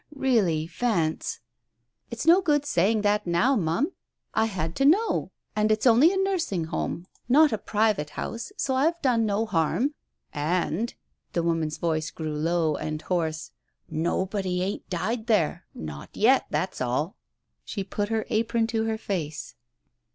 Really, Vance " "It's no good saying that now, Ma'am; I had to know. And it's only a Nursing Home, not a Digitized by Google THE OPERATION 49 private house, so I've done no harm. And" — the woman's voice grew low and hoarse — "nobody ain't died there — not yet — that's all !" She put her apron to her face.